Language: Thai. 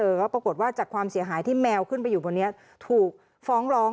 ก็ปรากฏว่าจากความเสียหายที่แมวขึ้นไปอยู่บนนี้ถูกฟ้องร้อง